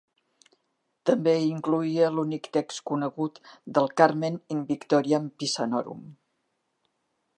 També incloïa l'únic text conegut del "Carmen in victoriam Pisanorum".